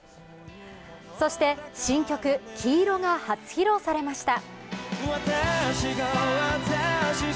そして、新曲「黄色」が初披露されました。